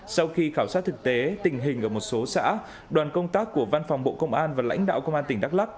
sau khi khảo sát thực tế tình hình ở một số xã đoàn công tác của văn phòng bộ công an và lãnh đạo công an tỉnh đắk lắc